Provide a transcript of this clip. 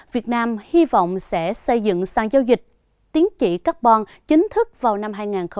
việt nam hy vọng sẽ xây dựng sang giao dịch tiến trị carbon chính thức vào năm hai nghìn hai mươi